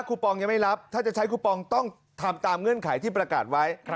ปองยังไม่รับถ้าจะใช้คูปองต้องทำตามเงื่อนไขที่ประกาศไว้